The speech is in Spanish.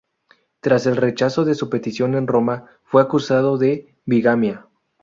Tras el rechazo de su petición en Roma, fue acusado de bigamia.